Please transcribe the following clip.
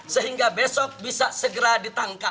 sehingga besok bisa segera ditangkap